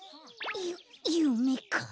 ゆっゆめか。